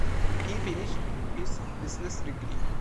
He finished his business degree.